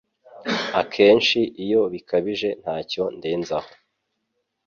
Akenshi iyo bikabije ntacyo ndenzaho